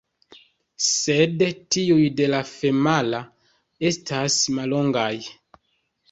Sed tiuj de la femala estas mallongaj.